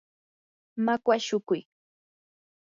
makwa shukuy.